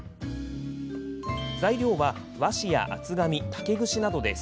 材料は和紙や厚紙、竹串などです。